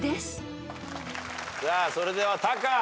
さあそれではタカ。